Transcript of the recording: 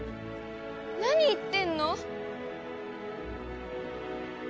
何言ってんの！？